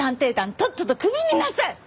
とっととクビになさい！